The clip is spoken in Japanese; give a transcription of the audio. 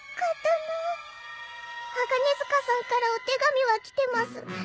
鋼鐵塚さんからお手紙は来てます。